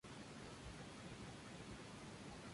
El cangrejo suele esconderse más y encontrarse en las acequias.